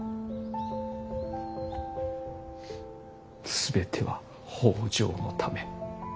全ては北条のため。